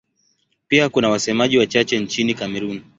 Pia kuna wasemaji wachache nchini Kamerun.